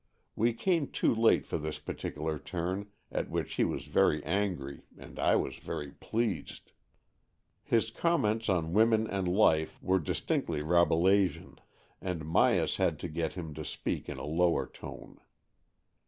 We came too late for this particular turn, at which he was very angry and I was very pleased. His com ments on women and life were distinctly Rabelaisian, and Myas had to get him to AN EXCHANGE OF SOULS 41 speak in a lower tone.